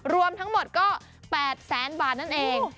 รวมทั้งหมดก็๘แสนบาทนั่นเอง